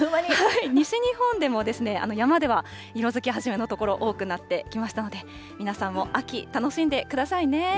西日本でも山では色づき始めの所、多くなってきましたので、皆さんも秋、楽しんでくださいね。